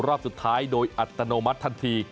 รอบสุดท้ายโดยอัตโนมัติทันที